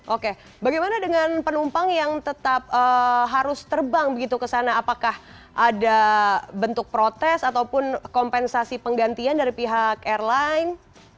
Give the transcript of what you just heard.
oke bagaimana dengan penumpang yang tetap harus terbang begitu ke sana apakah ada bentuk protes ataupun kompensasi penggantian dari pihak airline